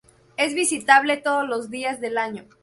Es visitable todos los días del año.